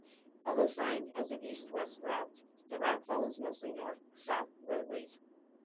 Although signed as an east-west route, the route follows mostly north-south roadways.